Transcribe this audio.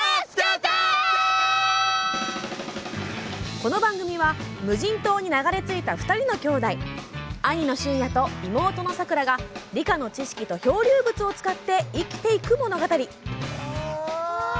この番組は無人島に流れ着いた２人のきょうだい兄のしゅんやと妹のさくらが理科の知識と漂流物を使って生きていく物語。